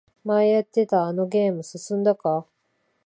前やってたあのゲーム進んだか？